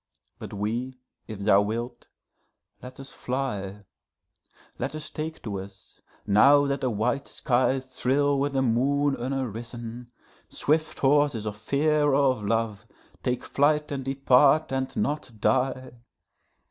but we, if thou wilt, let us fly; Let us take to us, now that the white skies thrill with a moon unarisen, Swift horses of fear or of love, take flight and depart and not die.